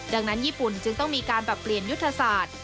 ดังนั้นญี่ปุ่นจึงต้องมีการปรับเปลี่ยนยุทธศาสตร์